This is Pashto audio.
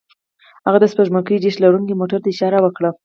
هغه د سپوږمکۍ ډیش لرونکي موټر ته اشاره وکړه